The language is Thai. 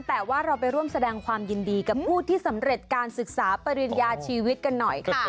แต่ว่าเราไปร่วมแสดงความยินดีกับผู้ที่สำเร็จการศึกษาปริญญาชีวิตกันหน่อยค่ะ